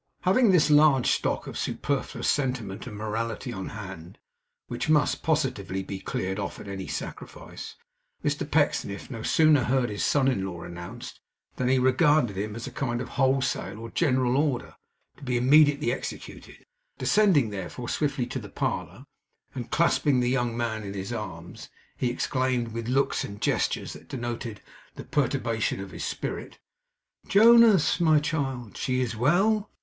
Having this large stock of superfluous sentiment and morality on hand which must positively be cleared off at any sacrifice, Mr Pecksniff no sooner heard his son in law announced, than he regarded him as a kind of wholesale or general order, to be immediately executed. Descending, therefore, swiftly to the parlour, and clasping the young man in his arms, he exclaimed, with looks and gestures that denoted the perturbation of his spirit: 'Jonas. My child she is well!